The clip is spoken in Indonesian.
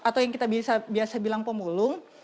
atau yang kita biasa bilang pemulung